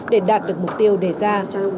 để đạt được mục tiêu đề ra